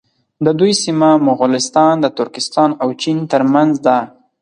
د دوی سیمه مغولستان د ترکستان او چین تر منځ ده.